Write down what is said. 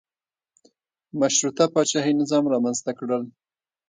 مشروطه پاچاهي نظام رامنځته کړل.